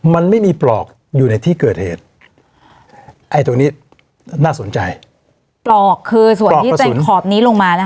มันไม่มีปลอกอยู่ในที่เกิดเหตุไอ้ตรงนี้น่าสนใจปลอกคือส่วนที่เป็นขอบนี้ลงมานะคะ